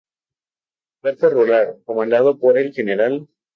Cuerpo Rural, comandado por el Gral.